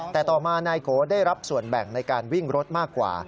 แต่ต่อมานายโกได้รับส่วนแบ่งในการวิ่งรถมากกว่า